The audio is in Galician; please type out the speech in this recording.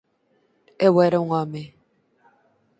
Eu era un home.